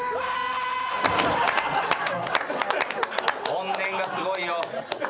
怨念がすごいよ。